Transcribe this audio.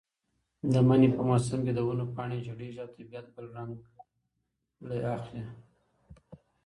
د مني په موسم کې د ونو پاڼې ژېړېږي او طبیعت بل رنګ اخلي.